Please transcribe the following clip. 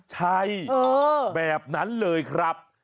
ใช่แบบนั้นเลยครับ